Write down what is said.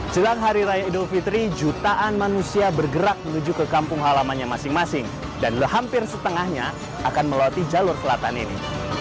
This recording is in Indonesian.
jelang hari raya idul fitri jutaan manusia bergerak menuju ke kampung halamannya masing masing dan hampir setengahnya akan melewati jalur selatan ini